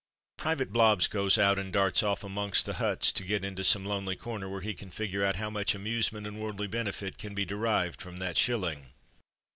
Private Blobbs goes out and darts off amongst the huts to get into some lonely corner where he can figure out how much amusement and worldly benefit can be derived from that shilling.